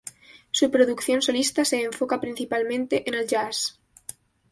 Su producción solista se enfoca principalmente en el jazz.